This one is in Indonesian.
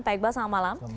pak iqbal selamat malam